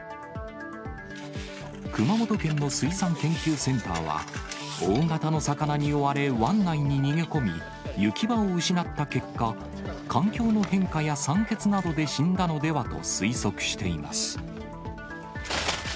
熊本県の水産研究センターは、大型の魚に追われ、湾内に逃げ込み、行き場を失った結果、環境の変化や酸欠などで死んだのではと推測しています。